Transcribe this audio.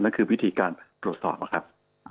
คือวิธีการตรวจสอบนะครับ